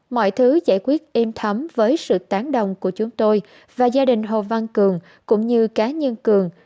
mọi thứ giải quyết êm thấm với sự tán đồng của chúng tôi và gia đình hồ văn cường cũng như cá nhân cường